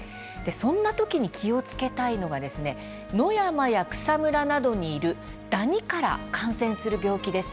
そんな時に気をつけたいのが野山や草むらなどにいるダニから感染する病気です。